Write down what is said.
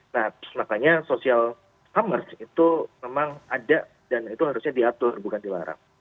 nah makanya social commerce itu memang ada dan itu harusnya diatur bukan dilarang